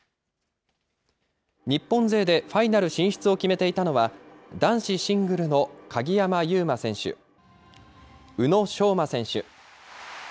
日本勢でファイナル進出を決めていたのは、男子シングルの鍵山優真選手、宇野昌磨選手。